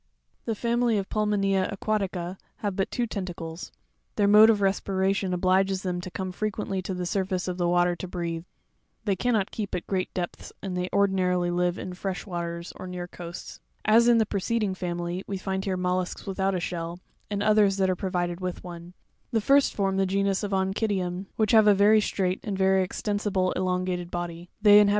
20. The family of PuLmMonea Aquatica have but two tentacles (fig. 18, page 33); their mode of respiration obliges them to come fre quently to the surface of the water to breathe: they cannot keep at great depths, and they ordinarily live in fresh waters, or near coasts. Fig. 27.—acHATINA. 21. As in the preceding family, we find here mollusks without shell, and others that are provided with one: the first form the genus of Onchidium (fig. 28), which have a very straight and very extensible elongated body ; they inhabit the fresh waters of Fig. 28.—oncHIpIuM LADVE. 19.